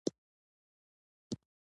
زموږ په مخ د بریا ټولې دروازې تړل شوې دي.